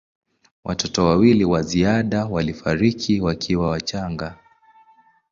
Watoto wawili wa ziada walifariki wakiwa wachanga.